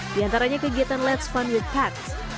di antaranya kegiatan let's fun with cats